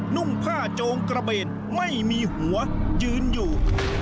นุ่งผ้าโจงกระเบนไม่มีหัวยืนอยู่